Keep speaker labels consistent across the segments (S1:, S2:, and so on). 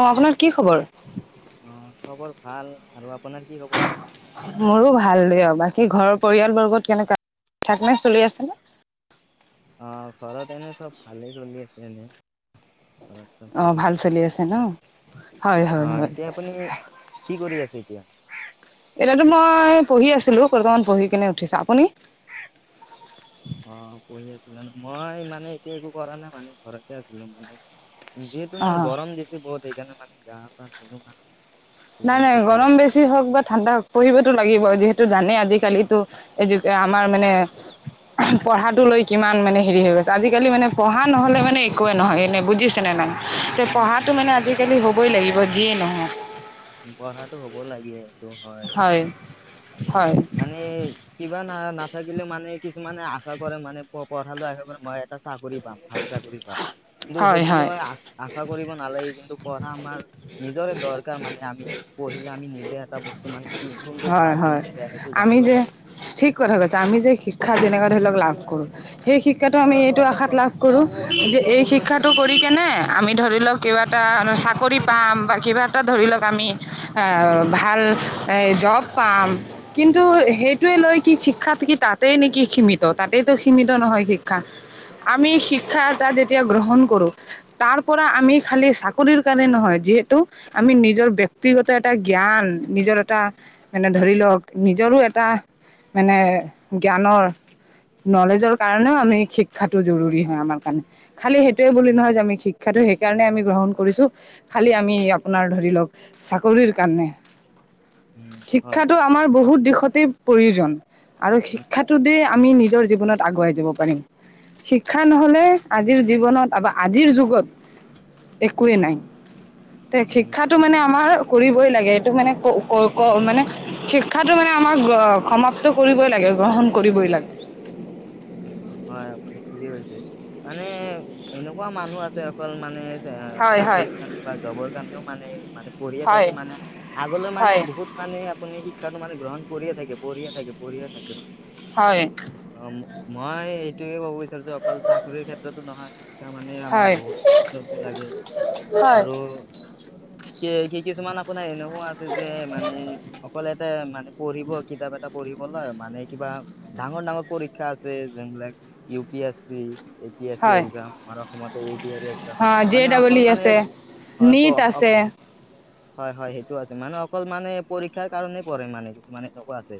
S1: অঁ আপোনাৰ কি খবৰ
S2: অ খবৰ ভাল আৰু আপোনাৰ কি খবৰ?
S1: মোৰো ভাল দিয়ক বাকী ঘৰৰ পৰিয়ালবৰ্গত কেনেকা থাক নে চলি আছেনে?
S2: অ ঘৰত এনে চব ভালে চলি আছে এনে। ঘৰত চব
S1: অ
S2: ঠিকে
S1: ভাল চলি আছে ন। হয় হয়
S2: অ
S1: হয়।
S2: এতিয়া আপুনি কি কৰি আছে এতিয়া
S1: এতিয়া টো মই পঢ়ি আছিলো [unintelligible] কন পঢ়ি কেনে উঠিছা আপুনি?
S2: অ পঢ়ি আছিলে ন মই মানে এতিয়া একো কৰা নাই মানে ঘৰতে আছিলো মানে। যিহেতু
S1: অ
S2: মানে গৰম দিছে বহুত সেইকাৰণে মানে গা পা ধোলো মানে
S1: নাই
S2: সেইকাৰণে
S1: নাই
S2: এতিয়া ঘৰত
S1: গৰম বেছি হওক বা ঠাণ্ডা হওক পঢ়িবতো লাগিব যিহেতু জানে আজিকালি টো এ যোকে আমাৰ মানে পঢ়াটো লৈ কিমান মানে হেৰি হৈ গৈছে আজিকালি মানে পঢ়া নহলে মানে একোৱে নহয় এনে বুজিছে নে নাই। তে পঢ়াটো মানে আজিকালি হ'বই লাগিব যিয়ে নহক।
S2: উম পঢ়াটো হ'ব লাগে সেটো হয়
S1: হয়
S2: মানে কিবা না নাথাকিলে মানে কি? কিছুমানে আশা কৰে মানে প পঢ়ালৈ আশা কৰে মই। এটা চাকৰি পাম ভাল চাকৰি পাম কিন্তু
S1: হয়
S2: সেইটো
S1: হয়
S2: লৈ আ আশা কৰিব নালাগে কিন্তু পঢ়া আমাৰ নিজৰে দৰকাৰ মানে আমি পঢ়িলে আমি নিজে এটা বস্তু মানে কি কোনটো
S1: হয়
S2: ভাল
S1: হয়
S2: কোনটো বেয়া সেইটো
S1: আমি
S2: জানিব
S1: যে
S2: পাৰো
S1: ঠিক কথা কৈছা আমি যে শিক্ষা যেনেকুৱা ধৰি লওক লাভ। সেই শিক্ষাটো আমি এইটো আশাত লাভ কৰো যে এই শিক্ষাটো কৰি কেনে আমি ধৰি ল কিবা এটা চাকৰি পাম বা কিবা এটা ধৰি লওক আমি ভাল জব পাম কিন্তু সেইটোৱে লৈ কি শিক্ষাত কি তাতেই নেকি সীমিত তাতেইতো সীমিত। নহয় শিক্ষা আমি
S2: উম
S1: শিক্ষা এটা গ্ৰহণ কৰো তাৰ পৰা আমি খালি চাকৰিৰ কাৰণে নহয় যিহেতু আমি নিজৰ। জ্যক্তি গত এটা জ্ঞান নিজৰ এটা মানে ধৰি লওক নিজৰো এটা মানে জ্ঞানৰ নলেজৰ কাৰণেও আমি শিক্ষাটো জৰুৰী হয় আমাৰ কাণে খালি সেইটোয়ে বুলি নহয় যে আমি শিক্ষা। কিন্তু সেইকাৰণে আমি গ্ৰহণ কৰিছো খালি আমি আপোনাৰ ধৰি লওক চাকৰিৰ কাৰণে
S2: উম
S1: শিক্ষাটো
S2: হয়
S1: আমাৰ বহুত দিশ শিক্ষতে প্ৰয়োজন আৰু শিক্ষাটো দে আমি নিজৰ জীৱনত আগুৱাই যাব পাৰিম। শিক্ষা নহলে আজিৰ জীৱনত বা আজিৰ যুগত। একোৱে নাই তে শিক্ষাটো মানে আমাৰ কৰিবই লাগে এইটো মানে ক কৈ ক মানে শিক্ষাটো মানে আমাক সমাপ্ত কৰিবই লাগে গ্ৰহণ কৰিবই লাগে। উ [unintelligible]
S2: হয় আপুনি ঠিকেই কৈছে মানে এনেকুৱা মানুহ আছে অকল মানে। হয়। চাকৰিৰ কাৰণে বা জবৰ কাৰণেও মানে মানে পঢ়িয়ে
S1: হয়
S2: থাকে মানে আগলৈ মানে
S1: হয়
S2: বহুত মানে আপুনি সে শিক্ষাটো মানে গ্ৰহণ কৰিয়ে থাকে পঢ়িয়ে থাকে পঢ়িয়ে থাকে।
S1: হয়
S2: আই এইটোয়ে কব তেতো অকল চাকৰিৰ ক্ষেত্ৰতো নহয় শিক্ষা মানে আমাৰ
S1: হয়
S2: বহুতে লাগে
S1: হয়
S2: আৰু
S1: [unintelligible]
S2: কে কি কিছুমান আপোনাৰ এনেকুৱা আছে যে মানে অকলেতে মানে পঢ়িব কিতাপ এটা পঢ়িব ক'লে মানে কিবা ডাঙৰ ডাঙৰ পৰীক্ষা আছে যোনবিলাক U P S P U P S C
S1: হয়
S2: একযাম আৰু অসমতে A D R E exam
S1: হয় জে
S2: মানে
S1: ডাবল
S2: অকল
S1: ই
S2: মানে
S1: আছে
S2: হয় প-
S1: নীট
S2: অক-
S1: আছে
S2: হয় হয় সেইটো আছে মানুহ অকল মানে পৰীক্ষাৰ কাৰণে পঢ়ে মানে কিছুমান এনেকুৱা আছে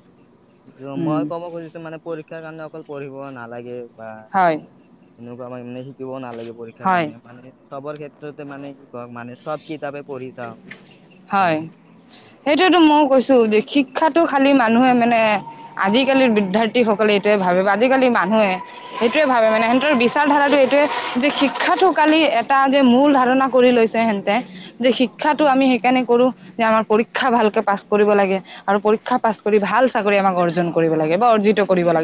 S2: মই ক'ব খুজিছো মানে পৰীক্ষাৰ কাৰণে অকল পঢ়িব নালাগে বা
S1: হয়
S2: এনেকুৱা মানে শিকিব নালাগে পৰীক্ষাৰ
S1: হয়
S2: কাৰণে মানে। সবৰ ক্ষেত্ৰতে মানে কি কওক মানে সব কিতাপে পঢ়ি যাওঁ মানে
S1: হয়
S2: সেইটো
S1: সেইটোয়েতো মই কৈছো যে শিক্ষাতো খালী মানুহে মানে আজিকালিৰ বিদ্যাৰ্থীসকলে এইটোৱে ভাবে বা আজিকালি মানুহে সেইটোৱে ভাবে মানে সিহঁতৰ বিচাৰ ধাৰাটো এইটোৱে যে শিক্ষটো কালি এটা যে মূল ধাৰণা কৰি লৈছে হেনতে যে শিক্ষাটো আমি কেনে কৰো যে আমাৰ পৰীক্ষা ভালকে পাছ কৰিব লাগে আৰু পৰীক্ষা পাছ কৰি ভাল চাকৰি আমাক অৰ্জন কৰি অৰ্জিত কৰিব ল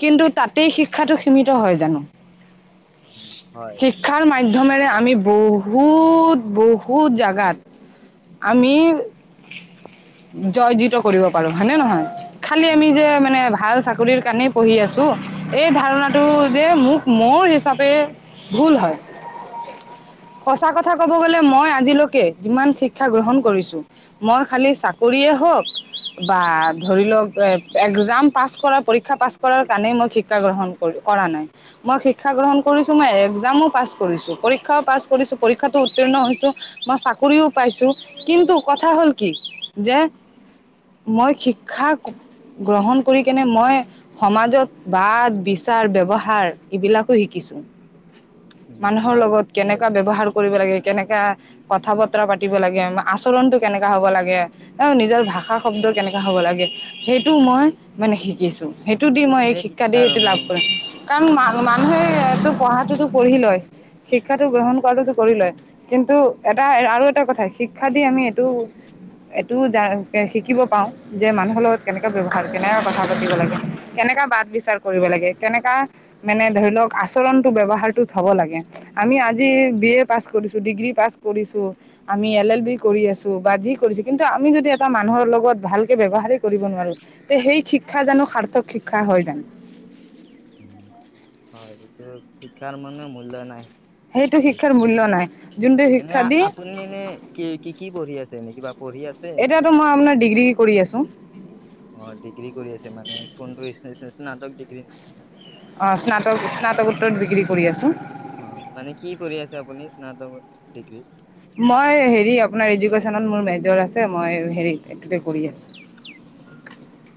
S1: কিন্তু তাতেই শিক্ষাটো সীমত হয় জানো
S2: উম, হয়,
S1: শিক্ষাৰ মাধ্যমেৰে আমি বহুত বহুত জাগাত আমি জয়জিত কৰিব পাৰো হয়নে নহয় খালি
S2: উম,
S1: আমি যে
S2: হয়,
S1: মানে ভাল চাকৰিৰ কাৰণেই পঢ়ি আছো এই ধাৰণাটো যে মোক মোৰ হিচাপে ভুল হয় সঁচা কথা কব গলে মই আজিলৈকে যিমান ঠিক শিক্ষা গ্ৰহণ কৰিছো মই খালি চাকৰিয়ে হওক বা ধৰি লওক এ এক্সাম পাছ কৰা পৰীক্ষা পাছ কৰাৰ কাৰণেই মই শিক্ষা গ্ৰহণ কৰো কৰা নাই মই শিক্ষা গ্ৰহণ কৰিছো মই একজামো পাছ কৰিছো পৰীক্ষাও পাছ কৰিছো পৰীক্ষাটো ছ মই চাকৰিও পাইছো কিন্তু কথা হ'ল কি যে মই শিক্ষা গ্ৰহণ কৰি কেনে মই সমাজত বাদ বিচাৰ ব্যৱহাৰ এইবিলাকো শিকিছো
S2: উম,
S1: মানুহৰ
S2: হয়
S1: লগত কেনেকা
S2: সেইটোৱে,
S1: ব্যৱহাৰ কৰিব লাগে কেনেকা কথা বত পাতিব লাগে আচৰণতটো কেনেকা হব লাগে অ নিজৰ ভাষা শব্দ কেনেকা হব লাগে সেইটো মই মানে শিকিছো সেইটো দি মই এই
S2: সেইটোৱে
S1: শিক্ষা দি
S2: শিক্ষাৰ
S1: এইটো লাভ
S2: মূল
S1: কৰিছো। কাৰণ ম মানুহে তটো পঢ়াটোতো পঢ়ি লয়। শিক্ষাটো গ্ৰহণ কৰাটোতো কৰি লয় কিন্তু এটা আৰু। টা কথা শিক্ষা দি আমি এইটো। এইটোও জান শিকিব পাওঁ যে মানুহৰ লগত কেনেকুৱা ব্যৱহাৰ কেনেক কথা পাতিব লাগে কেনে। কেনেকা বাট বিচাৰ কৰিব লাগে কেনেকা মানে ধৰি লওক আচৰণটো ব্যৱহাৰটো থ'ব লাগে আমি আমি আজি বি এ পাছ কৰিছোঁ ডিগ্ৰী পাছ কৰিছোঁ আমি এল এল বি কৰি আছো বা যি কৰিছো কিন্তু আমি যদি এটা মানুহৰ লগত ভালকে ব্যৱহাৰিক কৰিব নোৱাৰো তে সেই শিক্ষা জানো সাৰ্থক শিক্ষা হয় জানো
S2: হয়টো শিক্ষাৰ মানে মূল্য নাই
S1: সেইটো শিক্ষাৰ মূল্য নাই যোনটো
S2: এনে
S1: শিক্ষা দি
S2: আপুনি এনে কি কি কি পঢ়ি আছে নেকি বা
S1: এতিয়াতো মই আপোনাৰ ডিগ্ৰী কৰি আছো
S2: অ ডিগ্ৰী কৰি আছে মানে কোনটো স্নাতক ডিগ্ৰী নি কি
S1: অঁ স্নাতক স্নাতকোত্তৰ ডগ্ৰী কৰি আছোঁ
S2: অ মানে কি কৰি আছে আপুনি স্নাতক ডিগ্ৰী
S1: মই হেৰি আপোনাৰ এডুকেশ্বনত মোৰ মেজৰ আছে মই হেৰি এইটোতে কৰি আছোঁ [inaudible]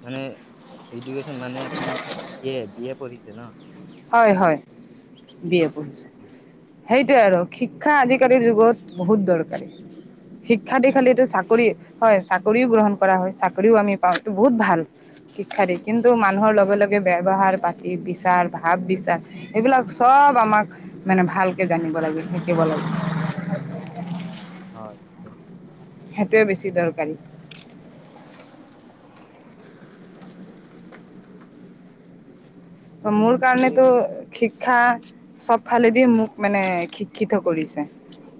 S2: মানে এডুকেচন মানে আপুনি বি এ বি এ পঢ়িছে ন
S1: হয় হয় বি এ পঢ়িচো সেইটোৱে আৰু শিক্ষা আজিকালিৰ যুগত বহুত দৰকাৰী শিক্ষা দিশলেটো চাকৰি হয় চাকৰিও গ্ৰহণ কৰা হয় চাকৰিও আমি পাওঁ এইটো বহুত ভাল শিক্ষা দী কিন্তু মানুহৰ লগে লগে বৱহাৰ পাতি বিচাৰ বা ভাব বিচাৰ এইবিলাক চব আমাক মানে ভালকে জানিব লাগে শিকিব লাগে [unintelligible]
S2: হয়।
S1: সেইটোোৱে বেছি দৰকাৰী। মোৰ
S2: আজিকালি
S1: কাৰণেতোক। শিক্ষা চব ফালেদিয় মোক মানে শিক্ষিত কৰিছে।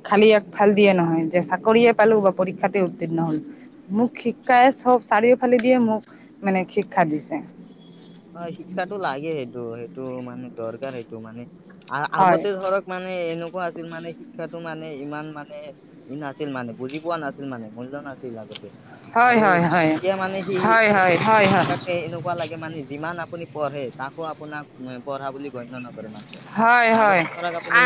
S1: খালি একফাল দিয়ে নহয় যে চাকৰিয়ে পালো বা পৰীক্ষাতে উত্তীৰ্ণ হল মোক শিক্ষাই। চব চাৰিওফালে দিয়ে মোক মানে শিক্ষা দিছে।
S2: অ শিক্ষাটো লাগে সেইটো সেইটো মানে দৰকাৰ সেইটো মানে।
S1: হয়,
S2: আগতে ধৰক মানে এনেকুৱা আছিল মানে। শিক্ষাতটো মানে ইমান মানে ই নাছিল মানে বুজি পোৱা নাছিল মানে মূল্য নাছিল আগতে
S1: হয়,
S2: আৰু
S1: হয়, হয়।
S2: এতিয়া মানে সি
S1: হয়, হয়, হয়, হয়,
S2: ততে এনেকুৱা লাগে মানে। যিমান আপুনি পঢ়ে তাকো আপোনাক পঢ়া বুলি গণ্য নাপায়।
S1: হয়, হয়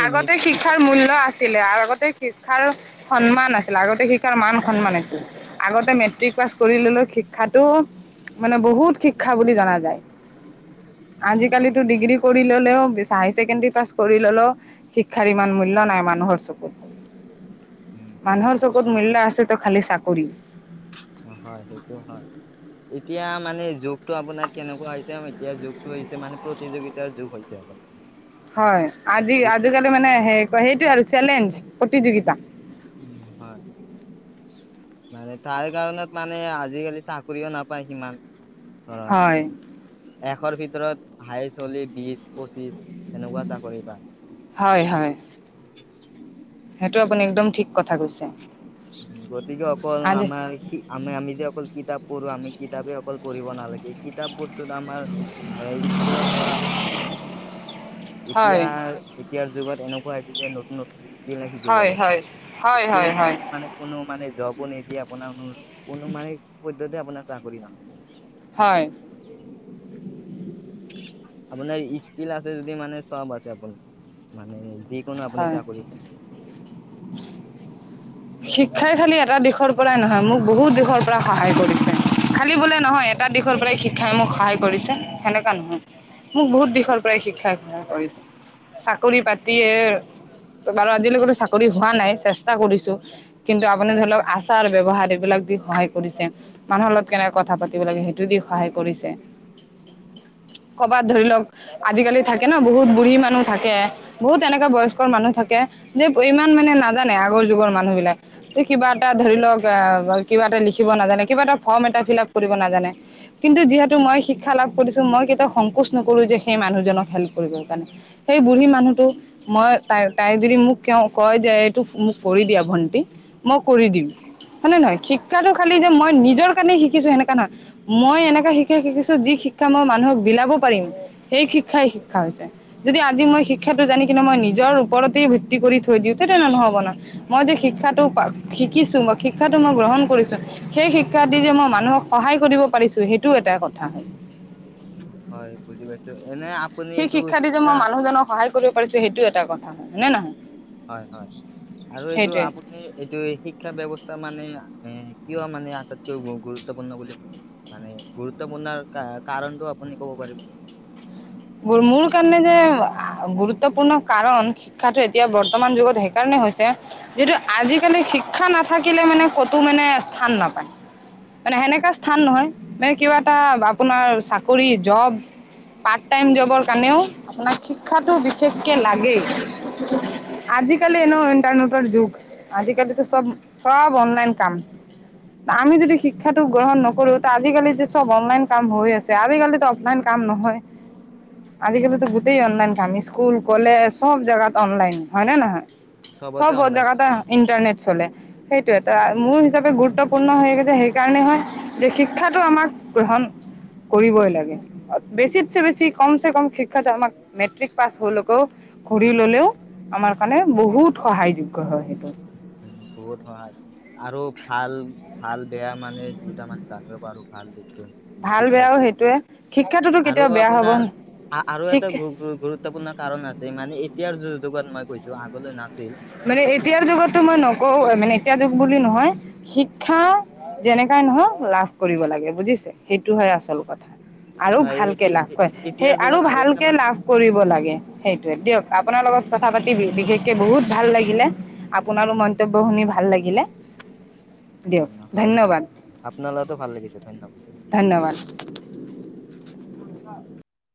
S1: আগতে
S2: মেট্ৰিক পাছ
S1: শিক্ষাৰ মূল্য় আছিলে আগতে শিক্ষাৰ। সন্মান আছিল আগতে শিক্ষাৰ মান সন্মান আছিল আগতে মেট্ৰিক পাছ কৰি ললেও শিক্ষাটো। মানে বহুত শিক্ষা বুলি জনা যায়
S2: উম, হ-
S1: আজিকালিতো ডিগ্ৰী কৰি ললেও বে। হাই ছেকেণ্ডাৰী পাছ কৰি ললেও শিক্ষাৰ ইমান মূল্যৰ নাই মানুহৰ চকুত।
S2: উম,
S1: মানুহৰ চকুত মূল্য আছে ত খালি চাকৰি।
S2: হয় সেইটো হয়। এতিয়া মানে যুগটো আপোনাৰ কেনেকুৱা হৈছে এতিয়া যগটো হৈছে মানে প্ৰতিযোগিতাৰ যুগ হৈছে আপোনাৰ।
S1: হয় আজি
S2: যিটো
S1: আজিকালি মানে স সেইটো আৰু চেলেঞ্জ। প্ৰতিযোগিতা
S2: উ হয়। মানে তাৰ কাৰণত মানে আজিকালি চাকৰিও নাপায় সিমান। ধৰ
S1: হয়
S2: এশৰ ভিতৰত হাই চলি বি। পঁচিছ তেনেকুৱা চাকৰি পায়।
S1: হয় হয় সেইটো আপুনি একদম ঠিক কথা কৈছে।
S2: গতিকে অকল
S1: আজি
S2: আমাৰ আমি আমি যে অকল কিতাপ। পঢ়ো আমি কিতাপে অকল পঢ়িব নালাগে কিতাপ বোৰ্ত। ত আমাৰ স্কুলত পঢ়া। এতিয়া
S1: হয়
S2: এতিয়াৰ যুগত এনেকুৱা হৈছে যে নতুন নতুন স্কিল শিকিব
S1: হয়
S2: লাগে
S1: হয় হয়
S2: স্কিল
S1: হয় হয়
S2: নিশিকিলে মানে কোনো মানে জবো নিদিয়ে আপোনাৰ কোনো মানে পদ্ধতি আপোনাৰ চাকৰি নহয়
S1: হয়
S2: আপোনাৰ স্কিল আছে যদি মানে চব আছে আপোনাৰ মানে যি। নপুনি
S1: হয়
S2: চাকৰি কৰি।
S1: শিক্ষাই খালি এটা দিশৰ পৰাই নহয় মোক বহুত দিশৰ পৰা সহায় কৰিছে। খালী বোলে নহয় এটা দিশৰ পৰাই শিক্ষাই মোক সহায় কৰিছে সেনেকুৱা নহয়। মোক বহুত দিশৰ পৰাই শিক্ষা গ্ৰহণ কৰিছে চাকৰি পাতিয়ে। বাৰু আজিলৈকো চাকৰি হোৱা নাই চেষ্টা কৰিছো। কিন্তু আপুনি ধৰি লওক আচাৰ ব্য্ৱহাৰ এইবিলাক দি সহায় কৰিছে মানুহৰ লগত কেনেকে কথা পাতিব লাগিব। সেইটো দি সহায় কৰিছে কৰবাত ধৰি লওক। আজিকালি থাকে ন বহুত বুঢ়ী মানুহ থাকে বহুত এনেককাা বয়স্কৰ মানুহ থাকে যে ইমান। মানে নাজানে আগ যুগৰ মানুহ। কিবা এটা ধৰি লওক আহ কিবা এটা লিখিব নাজানে কিবা এটা ফৰ্ম এটা ফিল আপ কৰিব নাজানে। কিন্তু যিহেতু মই শিক্ষা লাভ কৰিছো মই কেতিয়াও সংকোচ নকৰো যে সেই মানুহজনক হেল্প কৰিবৰ কাৰণে। সেই বুঢ়ী মানুহটো মই তাই তাই যদি মোক ক কয় যে এইটো মোক কৰি দিয়া ভন্টি। মই কৰি দিম। হয়নে নহয় শিক্ষাটো খালি যে মই নিজৰ কাৰণেই শিকিছো সেনেকা নহয়, মই এনেককা শিকাই শিকিছো যি। শিক্ষা মই মানুহক বিলাব পাৰিম সেই শিক্ষাই শিক্ষা হৈছে, যদি আজি মই শিক্ষাটো জানি কিনে মই। নিজৰ ওপৰতে ভিত্তি কৰি থৈ দিওঁতে তেতিয়া হলে নহব না মই যে শিক্ষা। শিক্ষা শিকিছো বা শিক্ষা মই গ্ৰহণ কৰিছো সেই শিক্ষা দি যে মই মানুহক সহায় কৰিব পাৰিম ছো সেইটো এটা কথা হয়।
S2: হয় বুজি পাইছো। এনে আপুনি
S1: সেই
S2: এইটো
S1: শিক্ষা দি যে মই মানুহজনক সহায় কৰিব পাৰিছো সেইটো এটা কথা। হয় হয় নে নহয়
S2: হয় হয় আৰু এইটো
S1: সেইটোৱে
S2: আপুনি এইটো শিক্ষা ব্যৱস্থা মানে কিয় মানে আটাইতক গুৰুত্বপূৰ্ণ বুলি মানে গুৰুত্বপূৰ্ণৰ কা কাৰণ টো আপু ক'ব পাৰিব?
S1: [unintelligible] মোৰ কাৰণে যে গুৰুত্বপূৰ্ণ কাৰণ শিক্ষাটো এতিয়া বৰ্তমান যুগত সেইকাৰণে হৈছে যিটো আজিকালি শিক্ষা নাথাকিলে মানে ক'তো মানে স্থান নাপায়। মানে সেনেকা স্থান নহয়, মানে কিবা এটা আপোনাৰ চাকৰি জব পাত টাইম জবৰ কাৰণেও আপোনাক শিক্ষাটো বিশেষকৈ লাগেই। আজিকালি এনে ইণ্টাৰনেটৰ যুগ আজিকালিটো চব চব অনলাইন কাম। আমি যদি শিক্ষাটো গ্ৰহণ নকৰো ত আজিকালি টো চব অনলাইন কাম হৈ আছে, আজিকালিতো অফলাইন কাম কাম নহয়।
S2: উম,
S1: আজিকালিটো গোটেই অনলাইন কাম স্কুল কলেজ চব জাগাত অনলাইন হয় নে নহয়? চব
S2: চবতে
S1: ব
S2: অনলাইন
S1: জোগাতে ইণ্টাৰনেট চলে। সেইটোয়েত মোৰ হিচাপে গুৰুত্বপূৰ্ণ হয়গৈছে সেইকাৰণে হয় যে শিক্ষাটো আমাক গ্ৰহণ কৰিবই লাগে, বেছি বেচিছে বেছি কমছে কম শিক্ষা যে আমাক মেট্ৰিক পাছ হলেকও ঘূৰি ললেও আমাৰ কানে বহুত সহায় যোগ্য হয় সেইটো।
S2: উ বহুত সহায় আৰু ভাল ভাল বেয়া মানে দুইটা মান জানিব পাৰো? ভাল দিশটো
S1: ভাল
S2: শিক্ষা
S1: বেয়াও সেইটোয়ে শিক্ষাটো
S2: আৰু
S1: কেতিয়াও বেয়া হব
S2: আপোনাৰ আৰু এটা
S1: শিক্ষা
S2: গুৰুত্বপূৰ্ণ কাৰণ আছে মানে এতিয়াৰ যুগত মই কৈছো আগলৈ নাচ
S1: মানে এতিয়াৰ যুগতো মই নকওঁ মানে এতিয়াাৰ যুগ বুলি নহয় শিক্ষা যেনেকাই নহওক লাভ কৰিব লাগে বুজিছে সেইটো হয় আচল কথা। আৰু
S2: হয়
S1: ভালকে
S2: এতি-
S1: লাভ
S2: এ-
S1: কয়
S2: এ-
S1: সেই
S2: এতিয়াৰ
S1: আৰু
S2: যুগত এটা
S1: ভালকে
S2: মান
S1: লাভ কৰিব লাগে সেইটোয়ে দিয়ক আপোনাৰ লগত কথা পাতি বিশেষকে বহুত ভাল লাগিলে আপোনাৰো মন্তব্য শুনি ভাল লাগিলে। দিয়ক
S2: উম হয় হয়
S1: ধন্যবাদ
S2: আপোনাৰ লগতো ভাল লাগিছে ধন্যবাদ।
S1: ধন্যবাদ। [unintelligible]